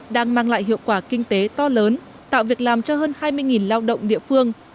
đang mang lại hiệu quả kinh tế to lớn tạo việc làm cho hơn hai mươi lao động địa phương